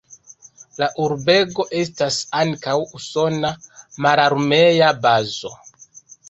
La urbego estas ankaŭ usona mararmea bazo.